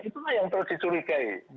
itulah yang perlu diculikai